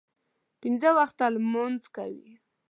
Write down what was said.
پنځه وخته لمونځ کوي.